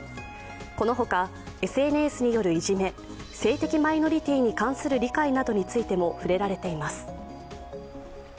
このほかＳＮＳによるいじめ、性的マイノリティーに関する理解などについても触れられています。